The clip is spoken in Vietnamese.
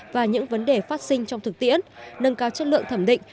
và những vấn đề phát sinh trong thực tiễn nâng cao chất lượng thẩm định